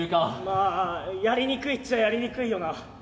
まあやりにくいっちゃやりにくいよな。